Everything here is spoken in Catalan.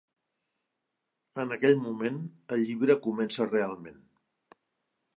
En aquell moment, el llibre comença realment.